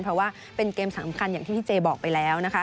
เพราะว่าเป็นเกมสำคัญอย่างที่พี่เจบอกไปแล้วนะคะ